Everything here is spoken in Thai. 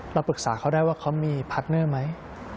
เราปรึกษาเขาได้ว่าเขามีพาร์ทเนอร์ไหม